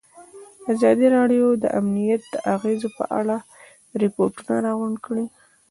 ازادي راډیو د امنیت د اغېزو په اړه ریپوټونه راغونډ کړي.